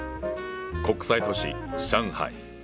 国際都市上海。